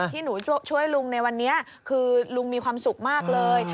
ที่หนูช่วยลุงในวันนี้คือลุงมีความสุขมากเลย